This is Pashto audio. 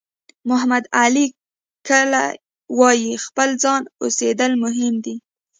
محمد علي کلي وایي خپل ځان اوسېدل مهم دي.